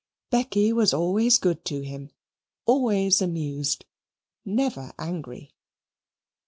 Becky was always good to him, always amused, never angry.